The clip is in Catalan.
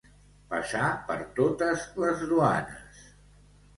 Passar per totes les duanes.